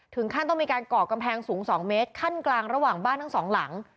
ถึงขั้นต้องมีการก่อกำแพงสูง๒เมตรขั้นกลางระหว่างบ้านทั้งสองหลัง